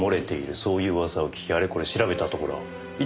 そういう噂を聞きあれこれ調べたところ伊丹